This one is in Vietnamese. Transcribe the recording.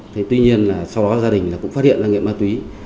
thế tuy nhiên là sau đó gia đình cũng phát hiện ra nghiện ma túy